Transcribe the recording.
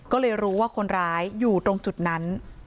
ก็เลยรู้ว่าคนร้ายอยู่ตรงจุดนั้น